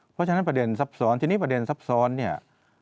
เพราะฉะนั้นประเด็นซับซ้อนทีนี้ประเด็นซับซ้อนเนี่ย